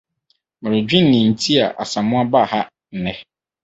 Meredwen nnea enti a Asamoa baa ha nnɛ.